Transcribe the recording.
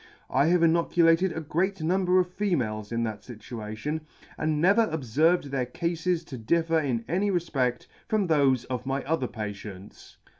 I have inoculated a great number of females in that fituation, and never obferved their cafes to differ in any refpedt from thofe of my other patients.